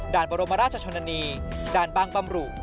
บรมราชชนนานีด่านบางบำรุ